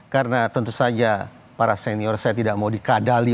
karena tentu saja para senior saya tidak mau dikadali